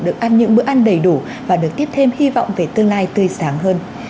được ăn những bữa ăn đầy đủ và được tiếp thêm hy vọng về tương lai tươi sáng hơn